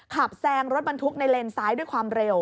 แซงรถบรรทุกในเลนซ้ายด้วยความเร็ว